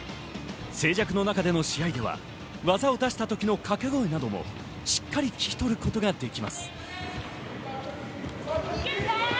静寂の中での試合は、技を出した時の掛け声などもしっかり聞き取ることができます。